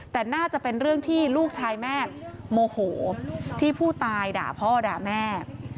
แต่น่าจะเป็นเรื่องที่ลูกชายแม่โมโหที่ผู้ตายด่าพ่อด่าแม่